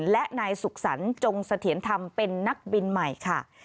และนายสุขสรรค์จงเสถียรธรรมเป็นนักบินใหม่ค่ะ